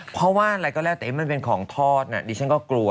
เพราะว่าอะไรก็แล้วแต่มันเป็นของทอดน่ะดิฉันก็กลัว